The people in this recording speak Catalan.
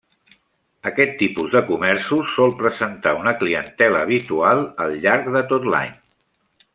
Aquest tipus de comerços sol presentar una clientela habitual al llarg de tot l'any.